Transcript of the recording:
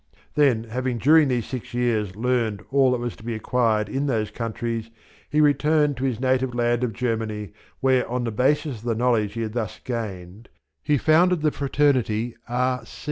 Then, having during these six years learned all that was to be acquired in those countries, he returned to his native land of Germany, where, on the basis of the knowledge he had thus gained, he founded the Fraternity R.